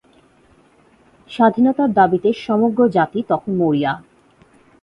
স্বাধীনতার দাবিতে সমগ্র জাতি তখন মরিয়া।